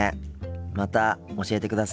また教えてください。